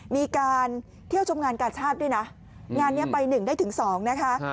มีการเที่ยวชมงานกาศาสตร์ด้วยนะงานนี้ไปหนึ่งได้ถึงสองนะคะ